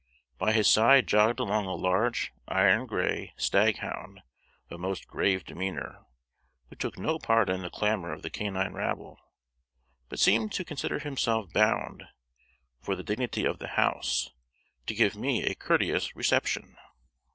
By his side jogged along a large iron gray stag hound of most grave demeanor, who took no part in the clamor of the canine rabble, but seemed to consider himself bound, for the dignity of the house, to give me a courteous reception.